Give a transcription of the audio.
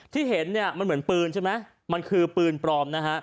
ที่เห็นเนี่ยมันเหมือนปืนใช่ไหมมันคือปืนปลอมนะฮะ